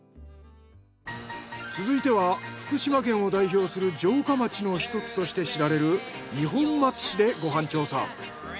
続いては福島県を代表する城下町のひとつとして知られる二本松市でご飯調査。